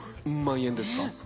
ウン万円ですか？